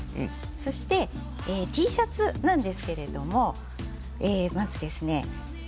そしてＴシャツなんですけれどもまずですね